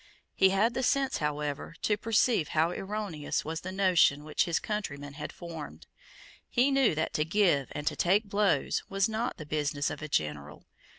He had the sense however to perceive how erroneous was the notion which his countrymen had formed. He knew that to give and to take blows was not the business of a general.